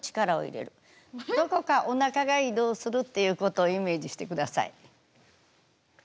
どこかおなかが移動するっていうことをイメージしてください。